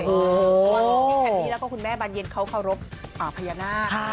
เพราะว่าพี่แคนดี้แล้วก็คุณแม่บานเย็นเขาเคารพพญานาค